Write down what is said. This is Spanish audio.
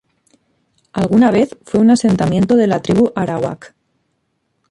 Alguna vez fue un asentamiento de la tribu Arawak.